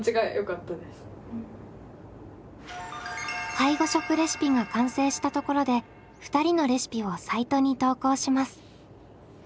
介護食レシピが完成したところで２人のレシピをサイトに投稿します。